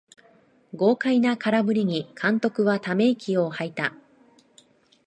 豪快な空振りに監督はため息をはいた